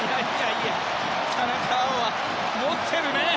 田中碧は持ってるね！